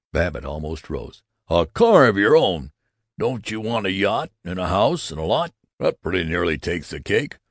Babbitt almost rose. "A car of your own! Don't you want a yacht, and a house and lot? That pretty nearly takes the cake!